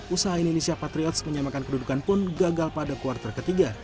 usaha indonesia patriots menyamakan kedudukan pun gagal pada kuartal ketiga